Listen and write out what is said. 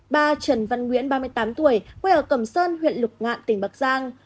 ba trần văn nguyễn ba mươi tám tuổi quê ở cầm sơn huyện lục ngạn tỉnh bắc giang